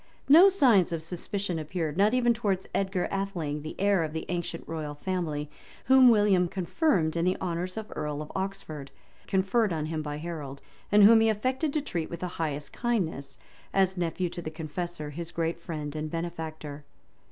No signs of suspicion appeared, not even towards Edgar Atheling, the heir of the ancient royal family, whom William confirmed in the honors of earl of Oxford, conferred on him by Harold, and whom he affected to treat with the highest kindness, as nephew to the Confessor, his great friend and benefactor.